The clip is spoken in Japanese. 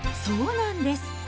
そうなんです。